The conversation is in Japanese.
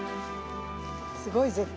すごい絶景。